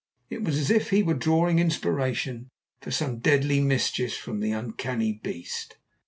It was as if he were drawing inspiration for some deadly mischief from the uncanny beast.